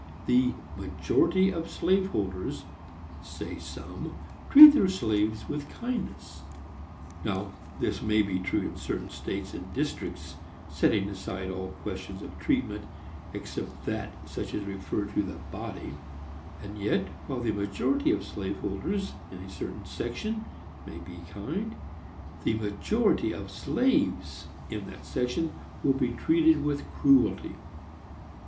The "majority of slave holders," say some, "treat their slaves with kindness." Now, this may be true in certain states and districts setting aside all questions of treatment except such as refer to the body. And yet, while the "majority of slave holders" in a certain section may be kind, the majority of slaves in that section will be treated with cruelty.